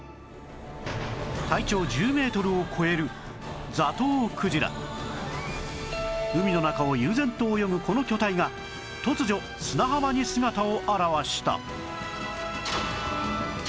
体長１０メートルを超える海の中を悠然と泳ぐこの巨体が突如砂浜に姿を現した